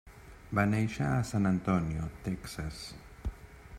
Va néixer a Sant Antonio, Texas.